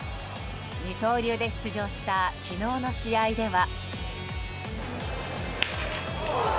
二刀流で出場した昨日の試合では。